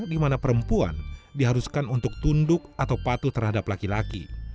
di mana perempuan diharuskan untuk tunduk atau patuh terhadap laki laki